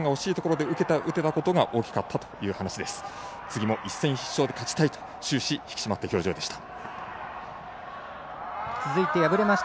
次も一戦一勝、勝ちたいと終始引き締まった表情でした。